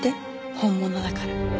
本物だから。